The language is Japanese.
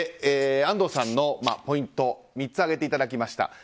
安藤さんのポイント３つ上げていただきました。